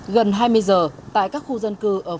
gần hai mươi giờ tại các khu dân cư ở